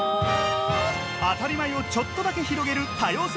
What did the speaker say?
当たり前をちょっとだけ広げる多様性